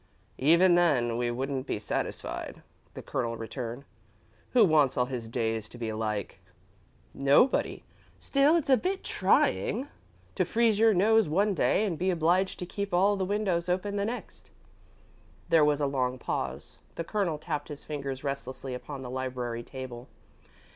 "Even then, we wouldn't be satisfied," the Colonel returned. "Who wants all his days to be alike?" "Nobody. Still, it's a bit trying to freeze your nose one day and be obliged to keep all the windows open the next." There was a long pause. The Colonel tapped his fingers restlessly upon the library table.